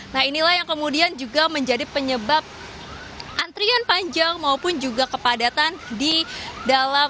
nah inilah yang kemudian juga menjadi penyebab antrian panjang maupun juga kepadatan di dalam